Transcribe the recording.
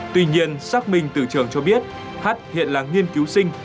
tuy nhiên xác minh từ trường cho biết h hiện là nghiên cứu sinh